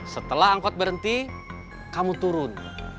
setelah angkot berhenti kamu turun